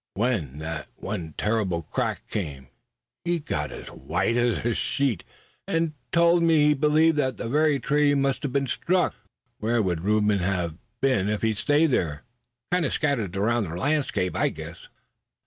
When that one terrible crack came he got as white as a sheet, and told me he believed that that very tree must have been struck. Where would Reuben have been if he'd stayed there? Kind of scattered around the landscape, I guess."